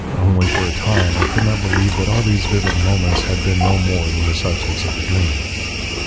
"Only for a time I could not believe that all these vivid moments had been no more than the substance of a dream.